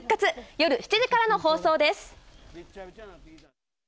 夜７時からの放送です。